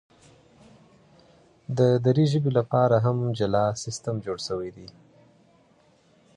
د دري ژبي لپاره هم جلا سیستم جوړ سوی دی.